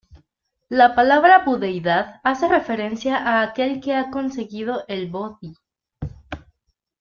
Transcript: La palabra budeidad hace referencia a aquel que ha conseguido el bodhi.